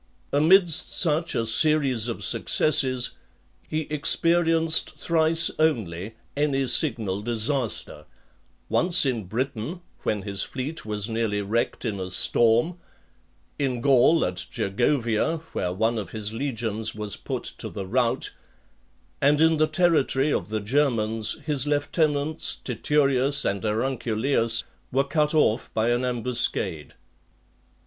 Amidst such a series of successes, he experienced thrice only any signal disaster; once in Britain, when his fleet was nearly wrecked in a storm; in Gaul, at Gergovia, where one of his legions was put to the rout; and in the territory of the Germans, his lieutenants Titurius and Aurunculeius were cut off by an ambuscade.